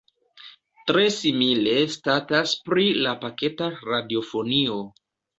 Tre simile statas pri la paketa radiofonio.